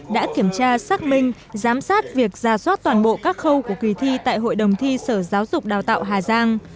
đã kiểm tra xác minh giám sát việc ra soát toàn bộ các khâu của kỳ thi tại hội đồng thi sở giáo dục đào tạo hà giang